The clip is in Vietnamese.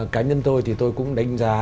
cá nhân tôi thì tôi cũng đánh giá